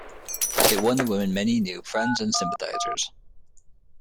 It won the women many new friends and sympathisers.